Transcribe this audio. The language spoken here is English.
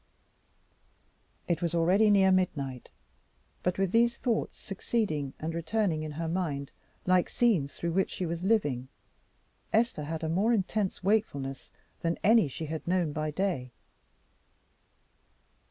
It was already near midnight, but with these thoughts succeeding and returning in her mind like scenes through which she was living, Esther had a more intense wakefulness than any she had known by day.